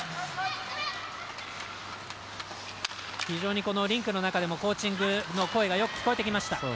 非常にリンクの中でもコーチングの声がよく聞こえてました。